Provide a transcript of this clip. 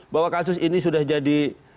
bahwa kasus ini sudah jadi